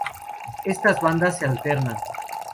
Estas bandas se alternan.